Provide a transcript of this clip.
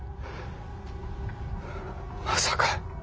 まさか。